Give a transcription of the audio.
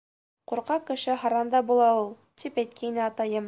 — Ҡурҡаҡ кеше һаран да була ул, тип әйткәйне атайым.